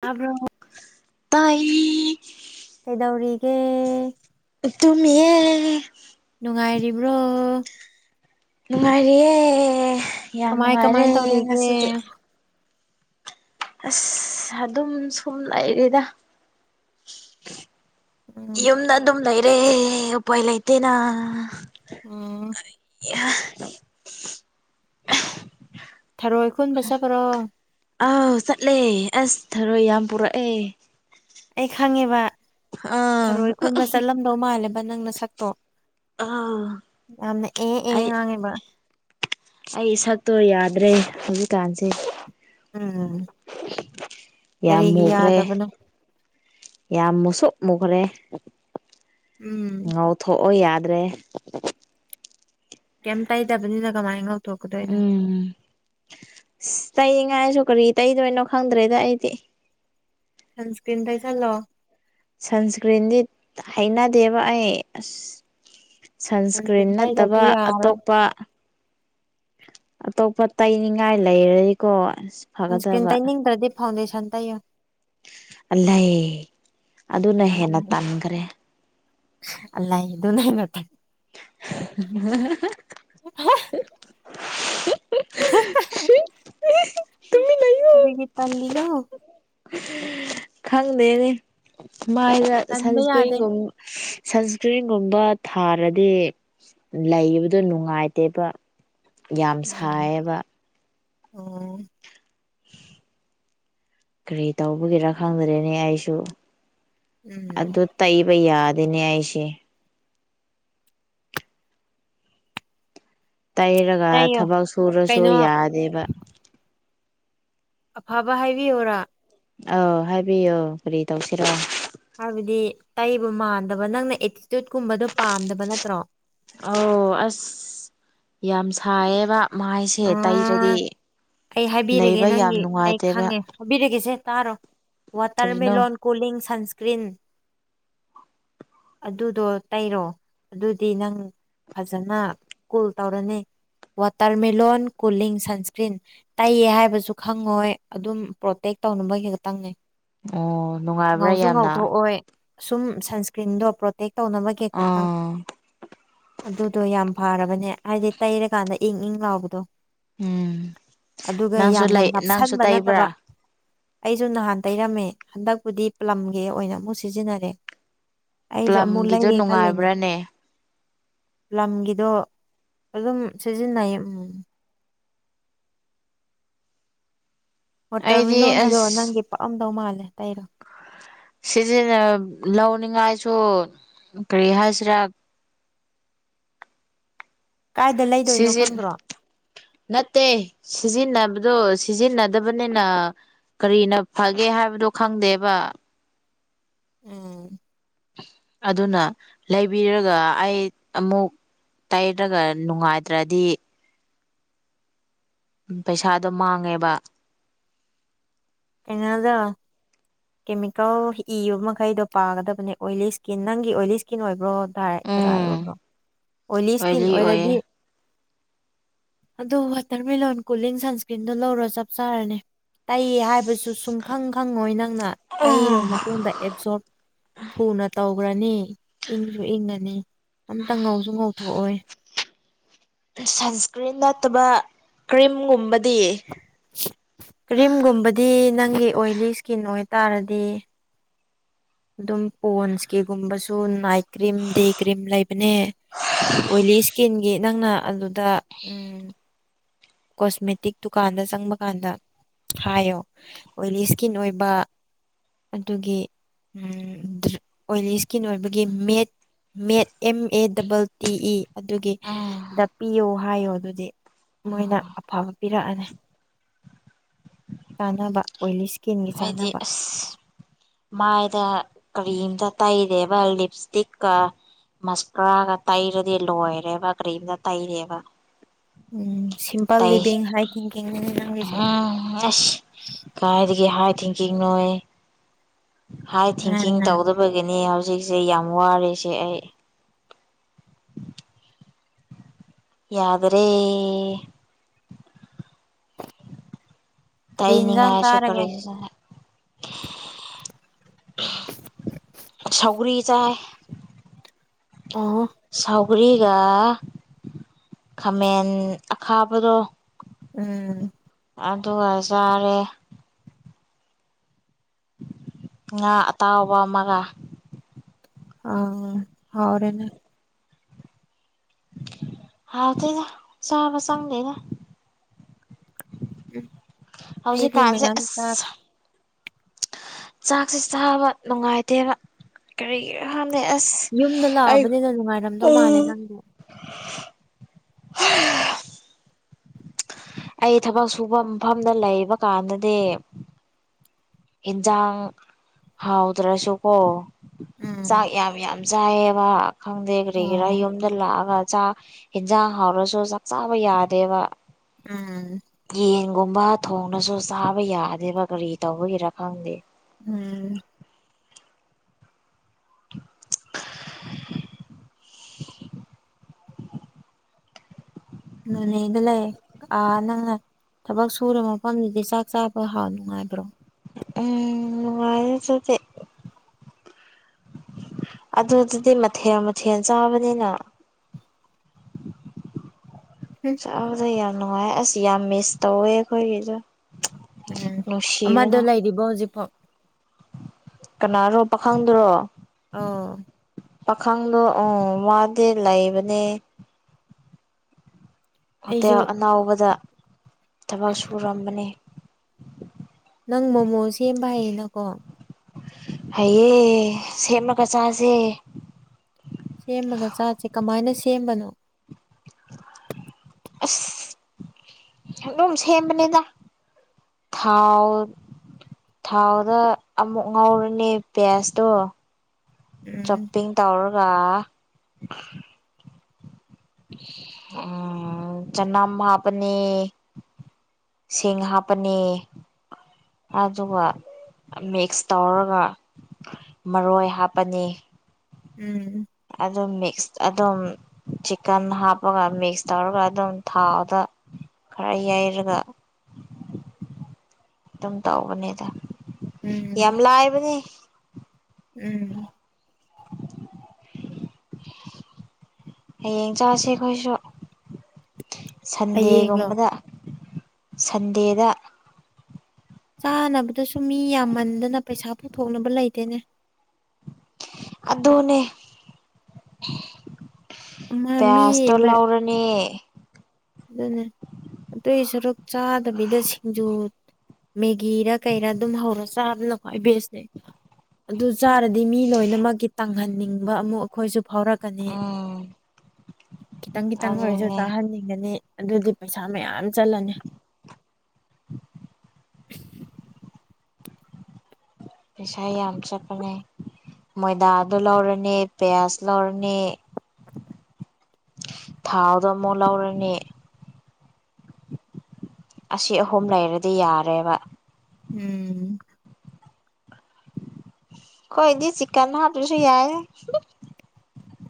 ꯇꯕ꯭ꯔꯣ ꯇꯥꯏꯌꯤ ꯀꯩꯗꯧꯔꯤꯒꯦ ꯇꯨꯝꯃꯤꯌꯦ ꯅꯨꯡꯉꯥꯏꯔꯤꯕ꯭ꯔꯣ ꯅꯨꯡꯉꯥꯏꯔꯤꯌꯦ ꯌꯥꯝ ꯀꯃꯥꯏ ꯀꯃꯥꯏ ꯅꯨꯡꯉꯥꯏꯔꯦ ꯇꯧꯔꯤꯒꯦ ꯉꯁꯤꯗꯤ ꯑꯁ ꯑꯗꯨꯝ ꯁꯨꯝ ꯂꯩꯔꯤꯗ ꯎꯝ ꯌꯨꯝꯗ ꯑꯗꯨꯝ ꯂꯩꯔꯦ ꯎꯄꯥꯏ ꯂꯩꯇꯦꯅ ꯎꯝ [unintelligible] ꯊꯔꯣꯏ ꯈꯨꯨꯟꯕ ꯆꯠꯄ꯭ꯔꯣ ꯑꯥꯎ ꯆꯠꯂꯦ ꯑꯁ ꯊꯔꯣꯏ ꯌꯥꯝ ꯄꯨꯔꯛꯑꯦ ꯑꯩ ꯈꯪꯉꯦꯕ ꯑꯥ ꯊꯔꯣꯏ ꯈꯨꯟꯕ ꯆꯠꯂꯝ ꯗꯧ ꯃꯥꯜꯂꯦꯕ ꯅꯪ ꯅꯁꯛꯇꯣ ꯑꯥꯎ ꯌꯥꯝꯅ ꯑꯦ ꯑꯦ ꯑꯩ ꯉꯥꯡꯉꯦꯕ ꯑꯩ ꯏꯁꯛꯇꯣ ꯌꯥꯗ꯭ꯔꯦ ꯍꯧꯖꯤꯛꯀꯥꯟꯖꯦ ꯎꯝ ꯌꯥꯝ ꯀꯔꯤꯒꯤ ꯃꯨꯈ꯭ꯔꯦ ꯌꯥꯗꯕꯅꯣ ꯌꯥꯝ ꯃꯨꯁꯨꯛ ꯃꯨꯒ꯭ꯔꯦ ꯎꯝ ꯉꯧ ꯊꯣꯛꯑꯣ ꯌꯥꯗ꯭ꯔꯦ ꯀꯩꯝ ꯇꯩꯗꯕꯅꯤꯅ ꯀꯃꯥꯏ ꯉꯧ ꯎꯝ ꯑꯁ ꯇꯩꯉꯥꯏꯁꯨ ꯀꯔꯤ ꯇꯩꯗꯣꯏꯅꯣ ꯈꯪꯗ꯭ꯔꯦꯗ ꯑꯩꯗꯤ ꯁꯟꯁꯀ꯭ꯔꯤꯟ ꯇꯩꯁꯜꯂꯣ ꯁꯟꯁꯀ꯭ꯔꯤꯟꯗꯤ ꯍꯩꯅꯗꯦꯕ ꯑꯩ ꯑꯁ ꯁꯟꯁꯀ꯭ꯔꯤꯟ ꯇꯩꯗꯗꯤ ꯅꯠꯇꯕ ꯌꯥꯔꯣꯏ ꯑꯇꯣꯞꯄ ꯑꯇꯣꯞꯄ ꯇꯩꯅꯤꯡꯉꯥꯏ ꯂꯩꯔꯗꯤꯀꯣ ꯁꯟꯁꯀ꯭ꯔꯤꯟ ꯐꯒꯗꯕ ꯇꯩꯅꯤꯡꯗ꯭ꯔꯥꯗꯤ ꯐꯥꯎꯟꯗꯦꯁꯟ ꯇꯩꯌꯣ ꯑꯂꯩ ꯑꯗꯨꯅ ꯍꯦꯟꯅ ꯇꯟꯈ꯭ꯔꯦ [unintelligible] [unintelligible] [unintelligible] [unintelligible] ꯇꯨꯃꯤꯟ ꯂꯩꯌꯨ ꯀꯔꯤꯒꯤ ꯇꯜꯂꯤꯅꯣ ꯈꯪꯗꯦꯅꯦ ꯃꯥꯏꯗ ꯇꯟꯕ ꯌꯥꯗꯦ ꯁꯟꯁꯀ꯭ꯔꯤꯟꯒꯨꯝ ꯁꯟꯁꯀ꯭ꯔꯤꯟꯒꯨꯝꯕ ꯊꯥꯔꯗꯤ ꯂꯩꯕꯗꯨ ꯅꯨꯡꯉꯥꯏꯇꯦꯕ ꯌꯥꯝ ꯎꯝ ꯁꯥꯏꯌꯦꯕ ꯑꯣ ꯀꯔꯤ ꯇꯧꯕꯒꯤꯔ ꯈꯪꯗ꯭ꯔꯦꯅꯦ ꯑꯩꯁꯨ ꯎꯝ ꯑꯗꯨ ꯇꯩꯕ ꯌꯥꯗꯦꯅꯦ ꯑꯩꯁꯦ ꯇꯩꯔꯒ ꯑꯩꯌꯣ ꯊꯕꯛ ꯁꯨꯔꯁꯨ ꯀꯩꯅꯣ ꯌꯥꯗꯦꯕ ꯑꯐꯕ ꯍꯥꯏꯕꯤꯌꯨꯔꯥ ꯑꯥꯎ ꯍꯥꯏꯕꯤꯌꯣ ꯀꯔꯤ ꯇꯧꯁꯤꯔꯣ ꯍꯥꯏꯕꯗꯤ ꯇꯩꯕ ꯃꯥꯟꯗꯕ ꯅꯪꯅ ꯑꯦꯇꯤꯌꯨꯠ ꯀꯨꯝꯕꯗꯣ ꯄꯥꯝꯗꯕ ꯅꯠꯇ꯭ꯔꯣ ꯑꯧ ꯑꯁ ꯌꯥꯝ ꯁꯥꯏꯌꯦꯕ ꯃꯥꯏꯁꯦ ꯑꯥ ꯇꯩꯔꯗꯤ ꯑꯩ ꯍꯥꯏꯕꯤꯔꯒꯦ ꯂꯩꯕ ꯌꯥꯝ ꯅꯪꯒꯤ ꯑꯩ ꯅꯨꯡꯉꯥꯏꯇꯦꯕ ꯈꯪꯉꯦ ꯍꯥꯏꯕꯤꯔꯒꯦꯁꯦ ꯇꯥꯔꯣ ꯀꯔꯤꯅꯣ ꯋꯥꯇꯔꯃꯦꯂꯣꯟ ꯀꯨꯂꯤꯡ ꯁꯟꯁꯀ꯭ꯔꯤꯟ ꯑꯗꯨꯗꯣ ꯇꯩꯔꯣ ꯑꯗꯨꯗꯤ ꯅꯪ ꯐꯖꯅ ꯀꯨꯜ ꯇꯧꯔꯅꯤ ꯋꯥꯇꯔꯃꯦꯂꯣꯟ ꯀꯨꯂꯤꯡ ꯁꯟꯁꯀ꯭ꯔꯤꯟ ꯇꯩ ꯍꯥꯏꯕꯁꯨ ꯈꯪꯉꯣꯏ ꯑꯗꯨꯝ ꯄ꯭ꯔꯣꯇꯦꯛ ꯇꯧꯅꯕꯒꯤ ꯈꯛꯇꯪꯅꯦ ꯑꯣ ꯅꯨꯡꯉꯥꯏꯕ꯭ꯔꯥ ꯉꯧꯁꯨ ꯌꯥꯝꯅ ꯉꯧꯊꯣꯛꯑꯣꯏ ꯁꯨꯝ ꯁꯟꯁꯀ꯭ꯔꯤꯟꯗꯣ ꯄ꯭ꯔꯣꯇꯦꯛ ꯇꯧꯅꯕꯒꯤ ꯈꯛꯇꯪ ꯑꯥ ꯑꯗꯨꯗꯣ ꯌꯥꯝ ꯐꯔꯕꯅꯦ ꯍꯥꯏꯗꯤ ꯇꯩꯔꯀꯥꯟꯗ ꯏꯪ ꯏꯪ ꯂꯥꯎꯕꯗꯣ ꯎꯝ ꯑꯗꯨꯒ ꯅꯪꯁꯨ ꯌꯥꯝꯅ ꯂꯩ ꯅꯪꯁꯨ ꯅꯞꯁꯟꯕ ꯇꯩꯕ꯭ꯔꯥ ꯅꯠꯇꯕ ꯑꯩꯁꯨ ꯅꯍꯥꯟ ꯇꯩꯔꯝꯃꯦ ꯍꯟꯗꯛꯄꯨꯗꯤ ꯄꯂꯝꯒꯤ ꯑꯣꯏꯅ ꯑꯃꯨꯛ ꯁꯤꯖꯤꯟꯅꯔꯦ ꯑꯩꯁꯨ ꯑꯃꯨꯛ ꯄ꯭ꯂꯝꯒꯤꯗꯣ ꯂꯩꯒꯦ ꯈꯜꯂꯤꯅꯦ ꯅꯨꯡꯉꯥꯏꯕ꯭ꯔꯥꯅꯦ ꯄꯂꯝꯒꯤꯗꯣ ꯑꯗꯨꯝ ꯁꯤꯖꯤꯟꯅꯩ ꯎꯝ ꯑꯩꯗꯤ ꯋꯥꯇꯔꯃꯦꯂꯣꯟꯒꯤꯗꯣ ꯑꯁ ꯅꯪꯒꯤ ꯄꯛꯑꯝꯗꯧ ꯃꯥꯜꯂꯦ ꯇꯩꯔꯣ ꯁꯤꯖꯤꯟꯅ ꯂꯧꯅꯤꯡꯉꯥꯏꯁꯨ ꯀꯔꯤ ꯍꯥꯏꯁꯤꯔꯥ ꯀꯥꯏꯗ ꯂꯩꯗꯣꯏꯅꯣ ꯁꯤꯖꯤꯟ ꯈꯪꯗ꯭ꯔꯣ ꯅꯠꯇꯦ ꯁꯤꯖꯤꯟꯅꯕꯗꯨ ꯁꯤꯖꯤꯟꯅꯗꯕꯅꯤꯅ ꯀꯔꯤꯅ ꯐꯒꯦ ꯍꯥꯏꯕꯗꯨ ꯈꯪꯗꯦꯕ ꯎꯝ ꯑꯗꯨꯅ ꯂꯩꯕꯤꯔꯒ ꯑꯩ ꯑꯃꯨꯛ ꯇꯩꯔꯒ ꯅꯨꯡꯉꯥꯏꯇ꯭ꯔꯗꯤ ꯎꯝ ꯄꯩꯁꯥꯗꯣ ꯃꯥꯡꯉꯦꯕ [unintelligible] ꯀꯦꯃꯤꯀꯦꯜ ꯏꯕ ꯃꯈꯩꯗꯣ ꯄꯥꯒꯗꯕꯅꯦ ꯑꯣꯏꯂꯤ ꯁ꯭ꯀꯤꯟ ꯅꯪꯒꯤ ꯑꯣꯏꯂꯤ ꯁ꯭ꯀꯤꯟ ꯑꯣꯏꯕ꯭ꯔꯣ ꯑꯣꯏꯂꯤ [unintelligible] ꯑꯣꯏꯂꯤ ꯁ꯭ꯀꯤꯟ ꯑꯣꯏꯌꯦ ꯑꯣꯏꯔꯗꯤ ꯑꯗꯣ ꯋꯥꯇꯔꯃꯤꯜꯂꯣꯟ ꯀꯨꯂꯤꯡ ꯁꯟꯁꯀ꯭ꯔꯤꯟꯗꯣ ꯂꯧꯔꯣ ꯆꯞ ꯆꯥꯔꯅꯤ ꯇꯩ ꯍꯥꯏꯕ ꯁꯨ ꯁꯨꯈꯪ ꯈꯪꯉꯣꯏ ꯅꯪꯅ ꯇꯩꯔ ꯃꯇꯨꯡꯗ ꯑꯦꯞꯖꯣꯔꯞ ꯊꯨꯅ ꯇꯧ [unintelligible] ꯏꯪꯁꯨ ꯏꯪꯉꯅꯤ ꯑꯃꯇ ꯉꯧꯁꯨ ꯉꯧꯊꯣꯛꯑꯣꯏ ꯁꯟꯁꯀ꯭ꯔꯤꯟ ꯅꯠꯇꯕ ꯀ꯭ꯔꯤꯝꯒꯨꯝꯕꯗꯤ ꯀ꯭ꯔꯤꯝꯒꯨꯝꯕꯗꯤ ꯅꯪꯒꯤ ꯑꯣꯏꯂꯤ ꯏꯁꯀꯤꯟ ꯑꯣꯏꯇꯥꯔꯗꯤ ꯑꯗꯨꯝ ꯄꯣꯟꯁ ꯀꯤ ꯒꯨꯝꯕꯁꯨ ꯅꯥꯏ ꯀ꯭ꯔꯤꯝ ꯗꯦ ꯀ꯭ꯔꯤꯝ ꯂꯩꯕꯅꯦ ꯑꯣꯏꯂꯤ ꯏꯁꯀꯤꯟꯒꯤ ꯅꯪꯅ ꯑꯗꯨꯗ ꯎꯝ ꯀꯣꯁꯃꯦꯇꯤꯛ ꯗꯨꯀꯥꯟꯗ ꯆꯪꯕ ꯀꯥꯟꯗ ꯍꯥꯏꯌꯣ꯫ ꯑꯣꯏꯂꯤ ꯁ꯭ꯀꯤꯟ ꯑꯣꯏꯕ ꯑꯗꯨꯒꯤ꯫ ꯎꯝ ꯑꯣꯏꯂꯤ ꯁ꯭ꯀꯤꯟ ꯑꯣꯏꯕꯒꯤ ꯃꯤꯠ ꯃꯦꯠ M A double T E ꯑꯗꯨꯒꯤ ꯗ ꯄꯤꯌꯣ ꯍꯥꯏꯌꯣ ꯑꯗꯨꯗꯤ꯫ ꯃꯣꯏꯅ ꯑꯐꯕ ꯄꯤꯔꯛꯑꯅꯤ꯫ ꯀꯥꯟꯅꯕ ꯑꯣꯏꯂꯤ ꯏꯁꯀꯤꯟꯒꯤ ꯍꯥꯏꯗꯤ ꯆꯥꯅꯕ ꯑꯁ ꯃꯥꯏꯗ ꯀ꯭ꯔꯤꯝꯇ ꯇꯩꯗꯦꯕ ꯂꯤꯞ ꯁ꯭ꯇꯤꯛꯀ ꯃꯁꯀ꯭ꯔꯥꯒ ꯇꯩꯔꯗꯤ ꯂꯣꯏꯔꯦꯕ ꯀꯔꯤꯝꯇ ꯇꯩꯗꯦꯕ꯫ ꯎꯝ ꯁꯤꯝꯄꯜ ꯇꯩ ꯂꯤꯕꯤꯡ ꯍꯥꯏ ꯊꯤꯡꯀꯤꯡ [unintelligible] ꯑꯁ ꯀꯥꯏꯗꯒꯤ ꯍꯥꯏ ꯊꯤꯡꯀꯤꯡ ꯅꯣꯍꯦ꯫ ꯍꯥꯏ ꯊꯤꯡꯀꯤꯡ ꯎꯝ ꯇꯧꯗꯕꯒꯤꯅꯦ ꯍꯧꯖꯤꯛꯁꯦ ꯌꯥꯝ ꯋꯥꯔꯤꯁꯦ ꯑꯩ꯫ ꯌꯥꯗꯔꯦ꯫ ꯀꯔꯤ ꯌꯦꯟꯖꯥꯡ ꯇꯩꯅꯤꯉꯥꯏꯁꯨ ꯆꯥꯔꯒꯦ [unintelligible] ꯁꯧꯒ꯭ꯔꯤ ꯆꯥꯏ꯫ ꯑꯣ ꯁꯧꯒ꯭ꯔꯤꯒ ꯈꯥꯃꯦꯟ ꯑꯈꯥꯕꯗꯣ ꯎꯝ ꯑꯗꯨꯒ ꯆꯥꯔꯦ꯫ ꯉꯥ ꯑꯇꯥꯎꯕ ꯑꯃꯒ ꯑꯥ ꯍꯥꯎꯔꯦꯅ ꯍꯥꯎ ꯇꯦꯗ ꯆꯥꯕ ꯆꯪꯗꯦꯗ꯫ [unintelligible] ꯑꯩꯗꯤ ꯍꯧꯖꯤꯛꯀꯥꯟꯁꯦ ꯃꯌꯥꯝ ꯆꯥ [unintelligible] ꯆꯥꯛꯁꯤ ꯆꯥꯕ ꯅꯨꯡꯉꯥꯏꯇꯦꯕ꯫ ꯀꯔꯤꯒꯤꯔ ꯈꯪꯗꯦ ꯑꯁ ꯌꯨꯝꯗ ꯑꯩ ꯂꯥꯛꯑꯕꯅꯤꯅ ꯅꯨꯡꯉꯥꯏꯔꯝꯗꯧ ꯃꯥꯜꯂꯦ ꯅꯪꯗꯤ [unintelligible] [unintelligible] ꯑꯩ ꯊꯕꯛ ꯁꯨꯕ ꯃꯐꯝꯗ ꯂꯩꯕ ꯀꯥꯟꯗꯗꯤ ꯍꯤꯟꯖꯥꯡ ꯍꯥꯎꯗ꯭ꯔꯁꯨꯀꯣ ꯎꯝ ꯆꯥꯛ ꯌꯥꯝ ꯌꯥꯝ ꯆꯥꯏ ꯌꯦꯕ ꯈꯪꯗꯦ ꯀꯔꯤꯒꯤꯔ ꯑꯣ ꯌꯨꯝ ꯗ ꯂꯥꯛꯑꯒ ꯆꯥꯛ ꯍꯤꯟꯟꯖꯥꯡ ꯍꯥꯎꯔꯁꯨ ꯆꯥꯛ ꯆꯥꯕ ꯌꯥꯗꯦꯕ꯫ ꯎꯝ ꯌꯦꯟꯒꯨꯝꯕ ꯊꯣꯡꯔꯁꯨ ꯆꯥꯕ ꯌꯥꯗꯦꯕ ꯀꯔꯤ ꯇꯧꯕꯒꯤꯔ ꯈꯪꯗꯦ? ꯎꯝ [inaudible] [inaudible] ꯅꯣꯅꯦꯗ ꯂꯩ꯫ ꯑꯥ ꯅꯪꯅ ꯊꯕꯛ ꯁꯨꯔꯕ ꯃꯐꯝꯗꯨꯗꯤ ꯆꯥꯛ ꯆꯥꯕ ꯍꯥꯎ ꯅꯨꯉꯥꯏꯕ꯭ꯔꯣ? [unintelligible] ꯅꯨꯡꯉꯥꯏꯌꯦ [unintelligible] ꯑꯗꯨꯗꯨꯗꯤ ꯃꯊꯦꯜ ꯃꯊꯦꯜ ꯆꯥꯕꯅꯤꯅ [inaudible] ꯆꯥꯕꯗ ꯌꯥꯝ ꯅꯨꯡꯉꯥꯏ ꯑꯁ ꯌꯥꯝ ꯃꯤꯁ ꯇꯧꯋꯦ ꯑꯩꯈꯣꯏꯒꯤꯁꯨ ꯎꯝ ꯑꯃꯗꯣ ꯂꯩꯔꯤꯕꯣ ꯍꯧꯖꯤꯛꯐꯥꯎ? ꯀꯅꯥꯔꯣ ꯄꯥꯈꯪꯗꯨꯔꯣ? ꯑꯧ ꯄꯥꯈꯪꯗꯣ ꯑꯣꯡ ꯃꯥꯗꯤ ꯂꯩꯕꯅꯦ꯫ ꯑꯩꯁꯨ ꯍꯣꯇꯦꯜ ꯑꯅꯥꯎꯕꯗ ꯊꯕꯛ ꯁꯨꯔꯝꯕꯅꯦ ꯅꯪ ꯃꯣꯃꯣ ꯁꯦꯝꯕ ꯍꯥꯏꯌꯦꯅꯀꯣ ꯍꯩꯌꯦ ꯁꯦꯝꯃꯒ ꯆꯥꯁꯦ ꯁꯦꯝꯃꯒ ꯆꯥꯁꯦ ꯀꯃꯥꯏꯅ ꯁꯦꯝꯕꯅꯣ ꯑꯁ ꯑꯗꯨꯝ ꯁꯦꯝꯕꯅꯦꯗ ꯊꯥꯎ ꯊꯥꯎꯗ ꯑꯃꯨꯛ ꯉꯧꯔꯅꯦ ꯄꯦꯠꯁꯇꯨ ꯎꯝ ꯆꯣꯞꯄꯤꯡ ꯇꯧꯔꯒ ꯑꯥ ꯆꯅꯥꯝ ꯍꯥꯞꯄꯅꯤ ꯁꯤꯡ ꯍꯥꯞꯄꯅꯤ ꯑꯗꯨꯒ ꯃꯤꯛꯁ ꯇꯧꯔꯒ ꯃꯔꯣꯏ ꯍꯥꯞꯄꯅꯤ ꯎꯝ ꯑꯗꯨꯝ ꯃꯤꯛꯁ ꯑꯗꯨꯝ ꯆꯤꯀꯟ ꯍꯥꯞꯄꯒ ꯃꯤꯛꯁ ꯇꯧꯔꯒ ꯑꯗꯨꯝ ꯊꯥꯎꯗ ꯈꯔ ꯌꯩꯔꯒ ꯑꯗꯨꯝ ꯇꯧꯕꯅꯦꯗ ꯎꯝ ꯎꯝ ꯍꯌꯦꯡ ꯆꯥꯁꯦ ꯑꯩꯈꯣꯏꯁꯨ ꯍꯌꯦꯡꯂꯣ ꯁꯟꯗꯦꯒꯨꯝꯕꯗ ꯁꯟꯗꯦꯗ ꯆꯥꯅꯕꯗꯨꯁꯨ ꯃꯤ ꯌꯥꯝꯃꯟꯗꯅ ꯄꯩꯁꯥ ꯄꯨꯊꯣꯛꯅꯕ ꯂꯩꯇꯦꯅꯦ ꯑꯗꯨꯅ ꯑꯃ ꯃꯤ [unintelligible] ꯑꯃ ꯂꯎꯔ ꯃꯦ ꯑꯗꯨꯅꯦ ꯑꯗꯨꯏ ꯁꯔꯨꯛ ꯆꯥꯗꯕꯤꯗ ꯁꯤꯡꯖꯨ ꯃꯦꯒꯤꯔ ꯀꯩꯔꯥ ꯑꯗꯨꯝ ꯍꯧꯔ ꯆꯥꯕꯅ ꯈꯋꯥꯏ ꯕꯦꯁꯅꯦ ꯑꯗꯨ ꯆꯥꯔꯗꯤ ꯃꯤ ꯂꯣꯏꯅꯃꯛꯀꯤ ꯇꯥꯡꯍꯟꯅꯤꯡꯕ ꯑꯃꯨꯛ ꯑꯩꯈꯣꯏꯁꯨ ꯐꯥꯎꯔꯛ ꯀꯅꯤ ꯎꯝ ꯈꯤꯇꯪ ꯈꯤꯇꯪ ꯑꯣꯏꯔꯁꯨ ꯑꯗꯨꯅꯦ ꯆꯥꯍꯟꯅꯤꯡꯒꯅꯤ ꯑꯗꯨꯗꯤ ꯄꯩꯁꯥ ꯃꯌꯥꯝ ꯆꯠꯂꯅꯤ ꯄꯩꯁꯥ ꯌꯥꯝ ꯆꯠꯄꯅꯦ ꯃꯣꯏꯗꯥ ꯑꯗꯨ ꯂꯧꯔꯅꯤ ꯄꯤꯌꯥꯁ ꯂꯧꯔꯅꯤ ꯊꯥꯎꯗꯣ ꯑꯃꯨꯛ ꯂꯧꯎꯔꯅꯤ ꯑꯁꯤ ꯑꯍꯨꯝ ꯂꯩꯔꯗꯤ ꯌꯥꯔꯦꯕ ꯎꯝ ꯑꯩꯈꯣꯏꯗꯤ ꯆꯤꯛꯀꯟ ꯍꯥꯞꯇꯔꯁꯨ ꯌꯥꯏ ꯑꯦ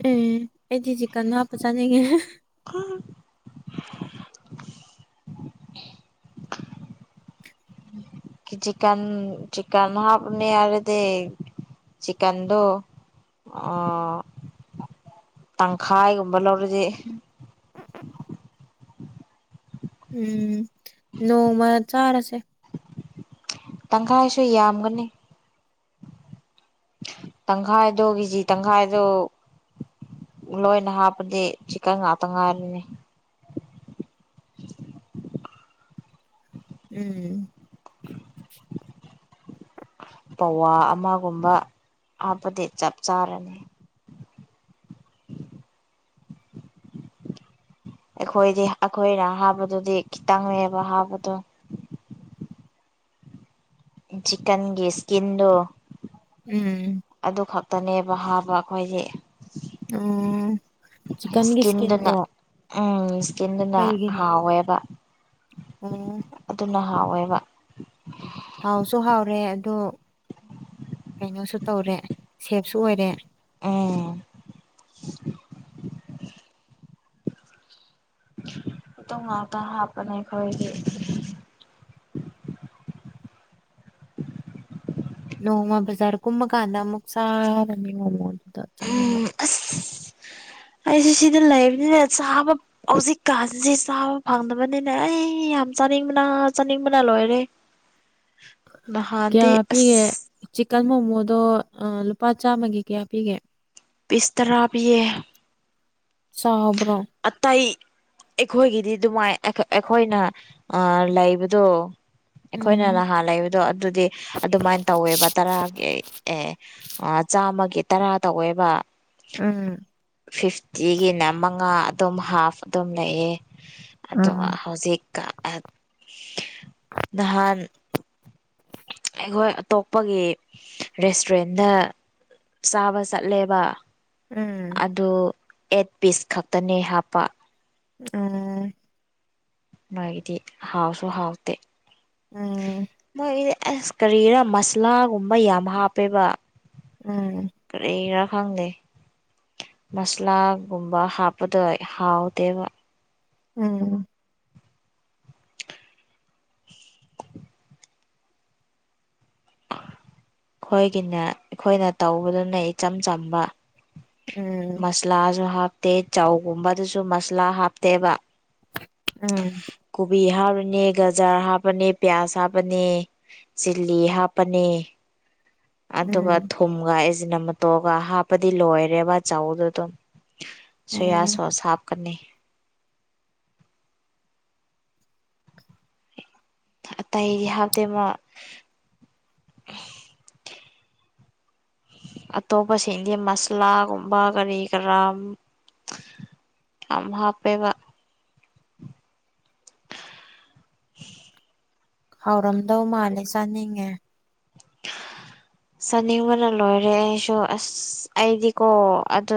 ꯎꯝ ꯑꯩꯗꯤ ꯆꯤꯛ ꯀꯟꯅ ꯍꯥꯞꯄ ꯆꯥꯅꯤꯡꯉꯦ [unintelligible] ꯆꯤꯀꯟ ꯆꯤꯀꯟ ꯍꯥꯞꯅꯤ ꯍꯥꯏꯔꯗꯤ ꯆꯤꯀꯟꯗꯣ ꯑꯣ ꯇꯪꯈꯥꯏꯒꯨꯝꯕ ꯂꯧꯔꯗꯤ ꯎꯝ ꯅꯣꯡꯃꯥ ꯆꯥꯔꯁꯦ ꯇꯪꯈꯥꯏꯁꯨ ꯌꯥꯝꯒꯅꯤ ꯇꯪꯈꯥꯏꯗꯣ ꯀꯦꯖꯤ ꯇꯪꯈꯥꯏꯗꯣ ꯂꯣꯏꯅ ꯍꯥꯞꯄꯗꯤ ꯆꯤꯀꯟ ꯉꯥꯛꯇ ꯉꯥꯏꯔꯅꯤ ꯎꯝ [inaudible] ꯄꯋꯥ ꯑꯃꯒꯨꯝꯕ ꯍꯥꯞꯄꯗꯤ ꯆꯞ ꯆꯥꯔꯅꯤ ꯑꯩꯈꯣꯏꯗꯤ ꯑꯩꯈꯣꯏꯅ ꯍꯥꯞꯄꯗꯨꯗꯤ ꯈꯤꯇꯪꯅꯦꯕ ꯍꯥꯞꯞꯗꯣ ꯆꯤꯛꯀꯟꯒꯤ ꯏꯁꯀꯤꯟꯗꯨ ꯎꯝ ꯑꯗꯨ ꯈꯛꯇꯅꯦꯕ ꯍꯥꯕ ꯑꯩꯈꯣꯏꯒꯤ ꯎꯝ ꯏꯁꯀꯤꯟꯗꯨꯅ ꯎꯝ ꯏꯁꯀꯤꯟꯗꯨꯅ ꯀꯩꯒꯤꯅꯣ ꯍꯥꯎꯋꯦꯕ ꯑꯣ ꯑꯗꯨꯅ ꯍꯥꯎꯋꯦꯕ ꯍꯥꯎꯁꯨ ꯍꯥꯎꯔꯦ ꯑꯗꯨ ꯀꯩꯅꯣꯁꯨ ꯇꯧꯔꯦ ꯁꯦꯞꯁꯨ ꯑꯣꯏꯔꯦ ꯎꯝ ꯃꯇꯨꯝ ꯉꯥꯛꯇ ꯍꯥꯞꯄꯅꯦ ꯑꯩꯈꯣꯏꯗꯤ ꯅꯣꯡꯃ ꯕꯖꯔꯀꯨꯝꯕ ꯀꯥꯟꯗ ꯑꯃꯨꯛ ꯆꯥꯕꯅꯦ ꯃꯣꯃꯣꯗ ꯆꯪꯉꯒ [inaudible] ꯑꯩꯁꯦ ꯁꯤꯗ ꯂꯩꯕꯅꯤꯅ ꯆꯥꯕ ꯍꯧꯖꯤꯛꯀꯥꯟꯁꯤ ꯆꯥꯕ ꯐꯪꯗꯕꯅꯤꯅꯦ ꯑꯩ ꯌꯥꯝ ꯆꯥꯅꯤꯡꯕꯅ ꯆꯥꯅꯤꯡꯕꯅ ꯂꯣꯏꯔꯦ [inaudible] ꯀꯌꯥ ꯅꯍꯥꯟꯗꯤ ꯄꯤꯒꯦ ꯑꯁ ꯆꯤꯛꯀꯟ ꯃꯣꯃꯣꯗꯣ ꯂꯨꯄꯥ ꯆꯥꯝꯃꯒꯤ ꯀꯌꯥ ꯄꯤꯒꯦ ꯄꯤꯁ ꯇꯔꯥ ꯄꯤꯌꯦ ꯆꯥꯎꯕꯔꯣ ꯑꯇꯩ ꯑꯩꯈꯣꯏꯒꯤꯗꯤ ꯑꯗꯨꯃꯥꯏ ꯑꯩꯈꯣꯏ ꯑꯩꯈꯣꯏꯅ ꯑꯥ ꯂꯩꯕꯗꯣ ꯑꯩꯈꯣꯏꯅ ꯎꯝ ꯅꯍꯥꯟ ꯂꯩꯕꯗꯣ ꯑꯗꯨꯗꯤ ꯑꯗꯨꯃꯥꯏꯅ ꯇꯧꯋꯦꯕ ꯇꯔꯥꯒꯤ ꯑꯦ ꯑ ꯆꯥꯝꯃꯒꯤ ꯇꯔꯥ ꯇꯧꯋꯦꯕ ꯎꯝ ꯐꯤꯐꯇꯤꯒꯤꯅ ꯃꯉꯥ ꯑꯗꯨꯝ ꯍꯥꯐ ꯑꯗꯨꯝ ꯂꯩꯌꯦ ꯑꯗꯨꯒ ꯎꯝ ꯍꯧꯖꯤꯛ ꯀꯥ ꯅꯍꯥꯟ ꯑꯩꯈꯣꯏ ꯑꯇꯣꯞꯄꯒꯤ ꯔꯦꯁꯇꯨꯔꯦꯟꯗ ꯆꯥꯕ ꯆꯠꯂꯦꯕ ꯎꯝ ꯑꯗꯨ ꯑꯦꯠ ꯄꯤꯁ ꯈꯛꯇꯅꯦ ꯍꯥꯞꯄ ꯎꯝ ꯃꯥꯒꯤꯗꯤ ꯍꯥꯎꯁꯨ ꯍꯥꯎꯇꯦ ꯎꯝ ꯃꯣꯏꯒꯤꯗꯤ ꯑꯁ ꯀꯔꯤꯔꯥ ꯃꯁꯥꯂꯥꯒꯨꯝꯕ ꯌꯥꯝ ꯍꯥꯞꯄꯦꯕ ꯎꯝ ꯀꯥꯔꯤꯔ ꯈꯪꯗꯦ ꯃꯁꯂꯥꯒꯨꯝꯕ ꯍꯥꯞꯄꯗꯣ ꯍꯥꯎꯇꯦꯕ ꯎꯝ [inaudible] ꯑꯩꯈꯣꯏꯒꯤꯅ ꯑꯩꯈꯣꯏꯅ ꯇꯧꯕꯗꯨꯅ ꯏꯆꯝ ꯆꯝꯕ ꯎꯝ ꯂꯥꯁꯨ ꯍꯥꯞꯇꯦ ꯆꯧꯒꯨꯝꯕꯗꯨꯁꯨ ꯃꯁꯂꯥ ꯍꯥꯞꯇꯦꯕ ꯎꯝ ꯀꯣꯕꯤ ꯍꯥꯞꯄꯅꯤ ꯒꯖꯥꯔ ꯍꯥꯞꯄꯅꯤ ꯄꯤꯌꯥꯖ ꯍꯥꯞꯄꯅꯤ ꯆꯤꯂꯤ ꯍꯥꯞꯄꯅꯤ ꯑꯗꯨꯒ ꯎꯝ ꯊ ꯀꯨꯝꯒ ꯑꯩꯖꯅꯃꯇꯣꯒ ꯍꯥꯞꯄꯗꯤ ꯂꯣꯏꯔꯦꯕ ꯆꯧꯎꯗꯨ ꯑꯗꯨꯝ ꯁꯣꯌꯥ ꯎꯝ ꯁꯣꯁ ꯍꯥꯞꯀꯅꯤ ꯑꯇꯩꯗꯤ ꯍꯥꯞꯇꯦ ꯃꯥ ꯑꯇꯣꯞꯄꯁꯤꯡꯗꯤ ꯃꯁꯂꯥꯒꯨꯝꯕ ꯀꯔꯤ ꯀꯔꯥ ꯌꯥꯝ ꯍꯥꯞꯄꯦꯕ ꯍꯥꯎꯔꯝꯗꯧ ꯃꯥꯜꯂꯦ ꯆꯥꯅꯤꯡꯉꯦ ꯆꯥꯅꯤꯡꯕꯅ ꯂꯣꯏꯔꯦ ꯑꯩꯁꯨ ꯑꯁ ꯑꯩꯗꯤꯀꯣ ꯑꯗꯨ